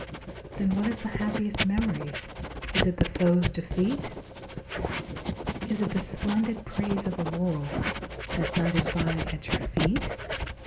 Then what is the happiest memory? Is it the foe's defeat? Is it the splendid praise of a world That thunders by at your feet?